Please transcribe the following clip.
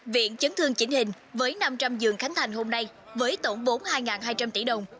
viện chấn thương chỉnh hình với năm trăm linh giường khánh thành hôm nay với tổng vốn hai hai trăm linh tỷ đồng